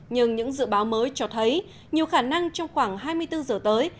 nhưng những dự báo mới cho thấy nhiều khả năng trong khoảng hai mươi bốn giờ tới